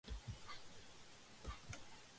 ტაძარი საბჭოთა პერიოდში აღადგინეს ნანგრევებისაგან.